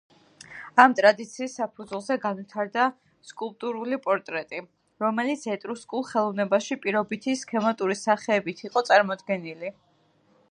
ამ ტრადიციის საფუძველზე განვითარდა სკულპტურული პორტრეტი, რომელიც ეტრუსკულ ხელოვნებაში პირობითი, სქემატური სახეებით იყო წარმოდგენილი.